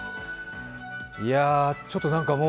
いや、ちょっとなんかもう。